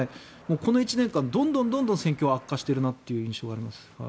この１年間どんどん戦況が悪化している印象があります。